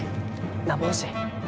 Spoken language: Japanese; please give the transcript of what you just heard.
なんぼ欲しい？